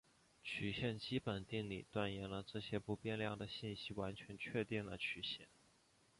曲线基本定理断言这些不变量的信息完全确定了曲线。